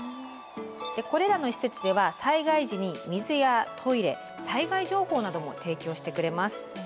これらの施設では災害時に水やトイレ災害情報なども提供してくれます。